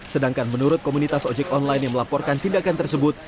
sedangkan menurut komunitas ojek online yang melaporkan tindakan tersebut